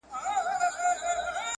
پر دې دنیا یې حوري نصیب سوې -